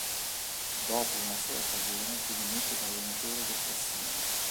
Dopo una sola stagione si dimette da allenatore del Cassino.